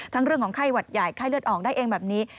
เรื่องของไข้หวัดใหญ่ไข้เลือดออกได้เองแบบนี้